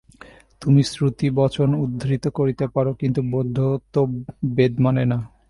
তুমি শ্রুতিবচন উদ্ধৃত করিতে পার, কিন্তু বৌদ্ধ তো বেদ মানে না।